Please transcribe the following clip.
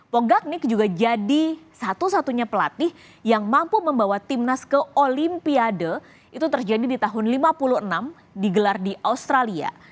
pogaknik juga jadi satu satunya pelatih yang mampu membawa tim nas ke olimpiade itu terjadi di tahun lima puluh enam digelar di australia